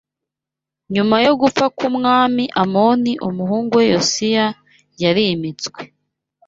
Nyuma yo gupfa k’Umwami Amoni umuhungu we Yosiya yarimitswe